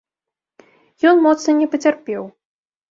Ён моцна не пацярпеў.